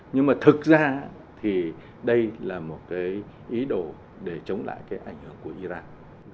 nhưng mà thực ra thì đây là một cái ý đồ để chống lại cái ảnh hưởng này